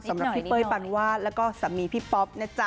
สำหรับพี่เป้ยปานวาดแล้วก็สามีพี่ป๊อปนะจ๊